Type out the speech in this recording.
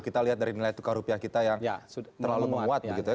kita lihat dari nilai tukar rupiah kita yang terlalu menguat begitu ya